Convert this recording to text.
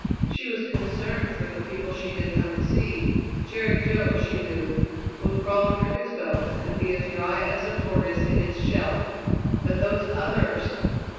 She was concerned for the people she had come to see. Jerry Jo, she knew, would crawl under his boat and be as dry as a tortoise in its shell. But those others!